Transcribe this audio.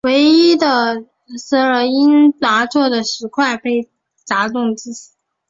唯一一位死者系因被掉落的石块砸中致死。